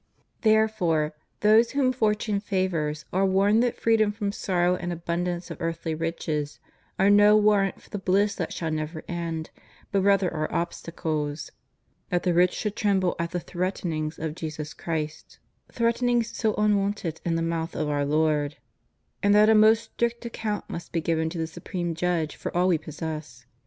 Therefore those whom fortune favors are warned that freedom from sorrow and abundance of earthly riches are no warrant for the bliss that shall never end, but rather are obstacles ;^ that the rich should tremble at the threaten ings of Jesus Christ — threatenings so unwonted in the mouth of Our Lord *■— and that a most strict account must be given to the Supreme Judge for all we possess.